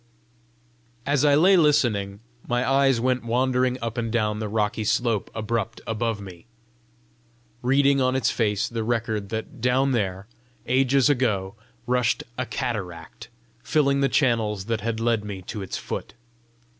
As I lay listening, my eyes went wandering up and down the rocky slope abrupt above me, reading on its face the record that down there, ages ago, rushed a cataract, filling the channels that had led me to its foot.